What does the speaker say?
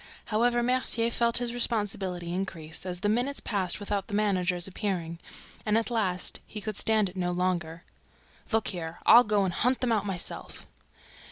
However, Mercier felt his responsibility increased as the minutes passed without the managers' appearing; and, at last, he could stand it no longer. "Look here, I'll go and hunt them out myself!"